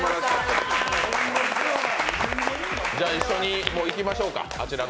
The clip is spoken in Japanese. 一緒にいきましょうか。